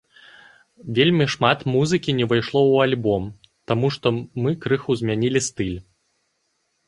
Вельмі шмат музыкі не ўвайшло ў альбом, таму што мы крыху змянілі стыль.